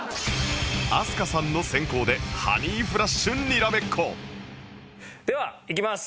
飛鳥さんの先攻でハニーフラッシュにらめっこではいきます。